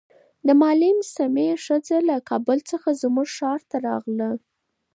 د معلم سمیع ښځه له کابل څخه زموږ ښار ته راغله.